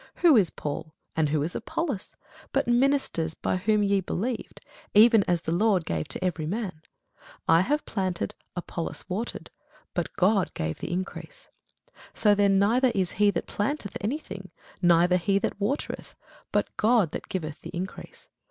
Who is Paul, and who is Apollos, but ministers by whom ye believed, even as the Lord gave to every man? I have planted, Apollos watered; but God gave the increase. So then neither is he that planteth any thing, neither he that watereth; but God that giveth the increase.